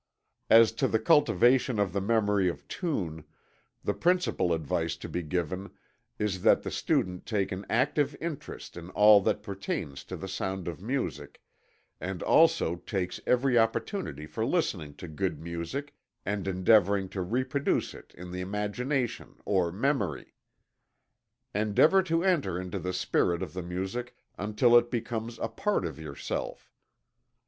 As to the cultivation of the memory of tune, the principle advice to be given is that the student take an active interest in all that pertains to the sound of music, and also takes every opportunity for listening to good music, and endeavoring to reproduce it in the imagination or memory. Endeavor to enter into the spirit of the music until it becomes a part of yourself.